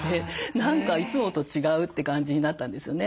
何かいつもと違うって感じになったんですよね。